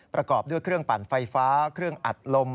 ประกอบด้วยเครื่องปั่นไฟฟ้าเครื่องอัดลม